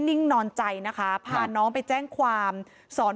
พอครูผู้ชายออกมาช่วยพอครูผู้ชายออกมาช่วย